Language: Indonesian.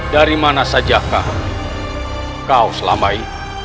dari mana sajakah kau selamai